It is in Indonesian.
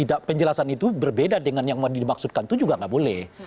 tidak penjelasan itu berbeda dengan yang dimaksudkan itu juga nggak boleh